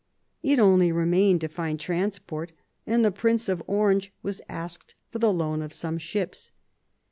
It only remained to find transport, and the Prince of Orange was asked for the loan of some ships.